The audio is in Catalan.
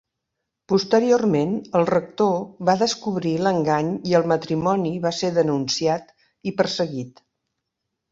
Posteriorment el rector va descobrir l'engany i el matrimoni va ser denunciat i perseguit.